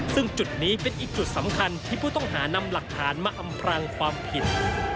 ซึ่งจุดนี้เป็นอีกจุดสำคัญที่ผู้ต้องหานำหลักฐานมาอำพรางความผิด